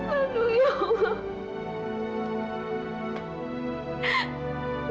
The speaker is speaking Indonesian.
aduh ya allah